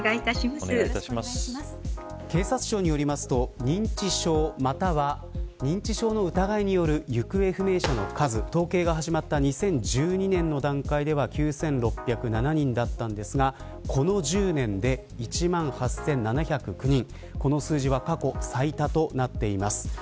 警察庁によりますと認知症または認知症の疑いによる行方不明者の数統計が始まった２０１２年の段階では９６０７人だったんですがこの１０年で１万８７０９人この数字は過去最多となっています。